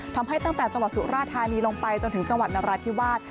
ตั้งแต่จังหวัดสุราธานีลงไปจนถึงจังหวัดนราธิวาส